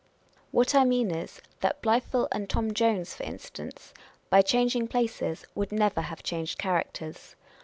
What I mean is, that Blifil and Tom Jones, for instance, by changing places, would never have changed characters.